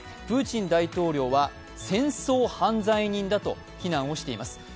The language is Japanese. プーチン大統領は戦争犯罪人だと非難をしています。